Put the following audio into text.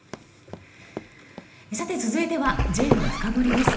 続いてはＪのフカボリです。